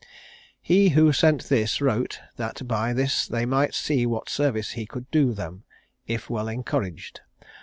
"He who sent this wrote, that by this they might see what service he could do them, if well encouraged.